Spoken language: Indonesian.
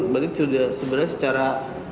berarti sudah sebenarnya secara